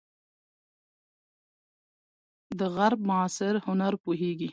د غرب معاصر هنر پوهیږئ؟